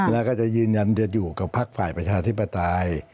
แล้วก็จะยืนยันจะอยู่กับพักฝ่ายประชาธิปไตย